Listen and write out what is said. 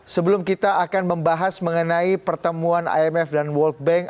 sebelum kita akan membahas mengenai pertemuan imf dan world bank